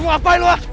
tunggu apaan lu ah